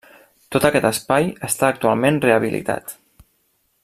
Tot aquest espai està actualment rehabilitat.